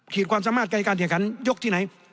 ความสามารถใกล้การแข่งขันยกที่ไหน